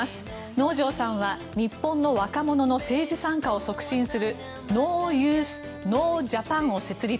能條さんは日本の若者の政治参加を促進するＮＯＹＯＵＴＨＮＯＪＡＰＡＮを設立。